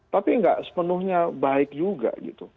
tapi nggak sepenuhnya baik juga gitu